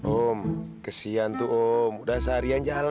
om perhatiannya baru umur seharian dia ngupur